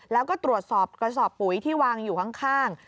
แล้วก็ตรวจสอบกระสอบปุ๋ยที่วางอยู่ข้าง